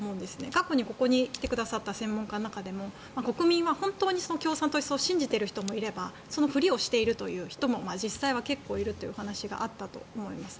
過去にここに来てくださった専門家の中でも国民は本当に共産党を信じている人もいればそのふりをしているという人も実際は結構いるという話があったと思います。